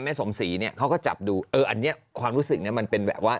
สมศรีเนี่ยเขาก็จับดูเอออันนี้ความรู้สึกเนี่ยมันเป็นแบบว่า